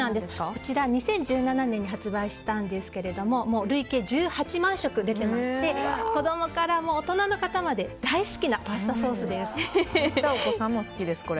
こちらは２０１７年に発売したんですけれども累計１８万食、出てまして子供から大人の方まで絶対お子さんも好きです。